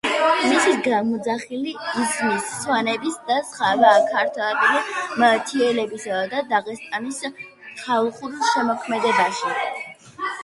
მისი გამოძახილი ისმის სვანების და სხვა ქართველი მთიელების და დაღესტნის ხალხურ შემოქმედებაში.